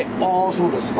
そうですか。